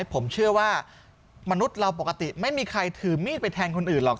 ผมเชื่อว่ามนุษย์เราปกติไม่มีใครถือมีดไปแทงคนอื่นหรอก